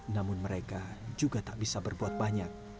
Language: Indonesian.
namun mereka juga tak bisa berbuat banyak